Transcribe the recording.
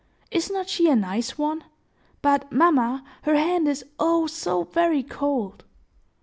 Is not she a nice one? But, mamma, her hand is, oh, so very cold!"